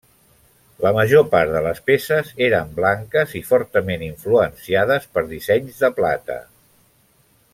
La major part de les peces eren blanques i fortament influenciades per dissenys de plata.